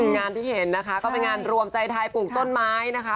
งานที่เห็นนะคะก็เป็นงานรวมใจไทยปลูกต้นไม้นะคะ